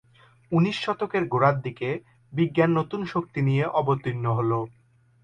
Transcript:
উনিশ শতকের গোড়ার দিকে বিজ্ঞান নতুন শক্তি নিয়ে অবতীর্ণ হলো।